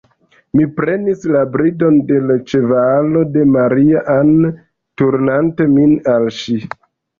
Mi prenis la bridon de l' ĉevalo de Maria-Ann turnante min al ŝi.